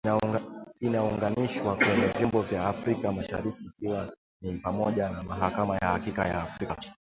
inaunganishwa kwenye vyombo vya afrika mashariki ikiwa ni pamoja na Mahakama ya Haki ya Afrika